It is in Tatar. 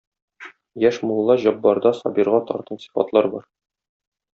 Яшь мулла Җаббарда Сабирга тартым сыйфатлар бар.